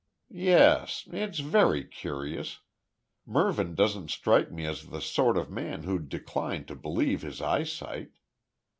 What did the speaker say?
"Yes. It's certainly curious. Mervyn doesn't strike me as the sort of man who'd decline to believe his eyesight.